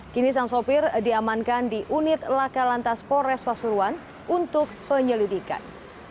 kini sang sopir diamankan di unit laka lantas polres pasuruan untuk penyelidikan